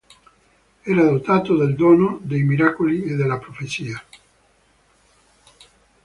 Era dotato del dono dei miracoli e della profezia.